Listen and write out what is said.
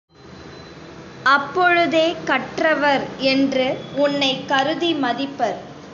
அப்பொழுதே கற்றவர் என்று உன்னைக் கருதி மதிப்பர்.